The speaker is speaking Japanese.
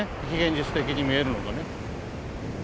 非現実的に見えるのがね。